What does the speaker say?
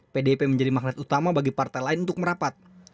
pdip menjadi magnet utama bagi partai lain untuk merapat